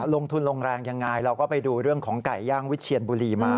ลงทุนลงแรงยังไงเราก็ไปดูเรื่องของไก่ย่างวิเชียนบุรีมา